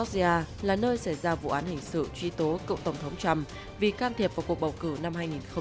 bang georgia là nơi xảy ra vụ án hình sự truy tố cựu tổng thống trump vì can thiệp vào cuộc bầu cử năm hai nghìn hai mươi